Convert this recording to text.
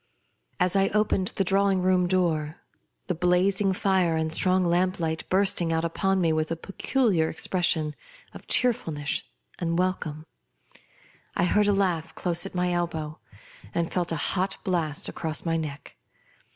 As I opened the drawing room door, the blazing fire and the strong lamp light bursting out upon me wkh a peculiar expression of cheerfulness and welcome, I heard a laugh close at my elbow, and felt a hot blast across my neck.